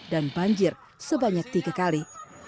dan banjir sebanyak tiga kali